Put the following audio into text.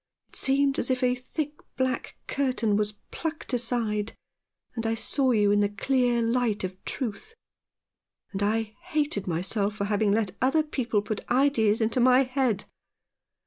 It seemed as if a thick black curtain was plucked aside, and I saw you in the clear light of truth ; and I hated myself for having let other people put ideas into my head.